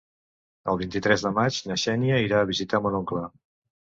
El vint-i-tres de maig na Xènia irà a visitar mon oncle.